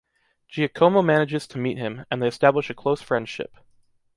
Giacomo manages to meet him, and they establish a close friendship.